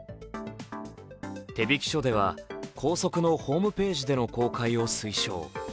手引書では校則のホームページでの公開を推奨。